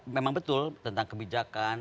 memang betul tentang kebijakan